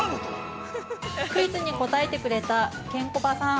◆クイズに答えてくれたケンコバさん。